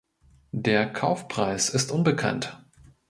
Der Kaufpreis ist unbekannt.